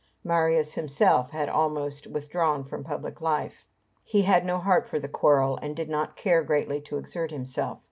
Marius himself had almost withdrawn from public life. He had no heart for the quarrel, and did not care greatly to exert himself.